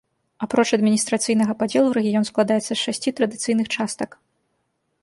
Апроч адміністрацыйнага падзелу рэгіён складаецца з шасці традыцыйных частак.